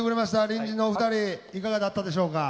隣人のお二人いかがだったでしょうか。